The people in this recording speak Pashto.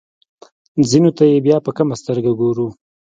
ځینو ته یې بیا په کمه سترګه ګورو.